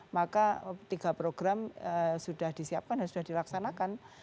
maka tiga program sudah disiapkan dan sudah dilaksanakan